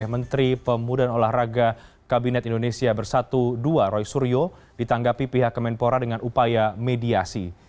menteri pemuda dan olahraga kabinet indonesia bersatu dua roy suryo ditanggapi pihak kemenpora dengan upaya mediasi